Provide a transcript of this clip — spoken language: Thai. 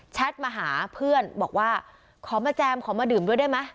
มาหาเพื่อนบอกว่าขอมาแจมขอมาดื่มด้วยได้ไหม